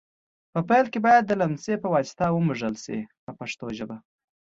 په پیل کې باید د لمڅي په واسطه ومږل شي په پښتو ژبه.